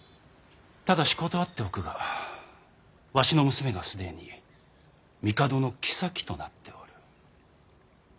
ただし断っておくがわしの娘が既に帝の后となっておる。